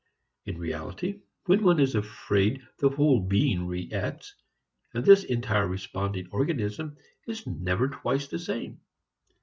In reality, when one is afraid the whole being reacts, and this entire responding organism is never twice the same.